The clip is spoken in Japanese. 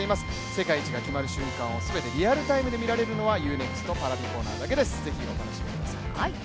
世界一が決まる瞬間を全てリアルタイムで見れるのはＵ−ＮＥＸＴＰａｒａｖｉコーナーだけです、ぜひお楽しみください。